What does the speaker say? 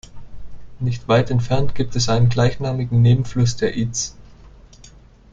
Nicht weit entfernt gibt es einen gleichnamigen Nebenfluss der Itz.